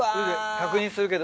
確認するけど。